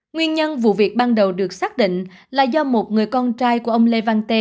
nguyên nhân vụ việc ban đầu được xác định là do một người con trai của ông lê văn tê